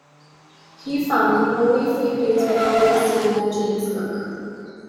He found them only a few days before they were seen by James Cook.